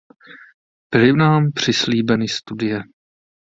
Byly nám přislíbeny studie.